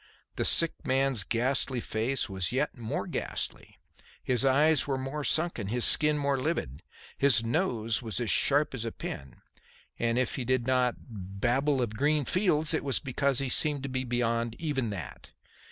The sick man's ghastly face was yet more ghastly; his eyes were more sunken, his skin more livid; "his nose was as sharp as a pen," and if he did not "babble of green fields" it was because he seemed to be beyond even that.